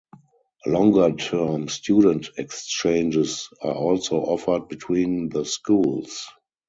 Longer-term student exchanges are also offered between the schools.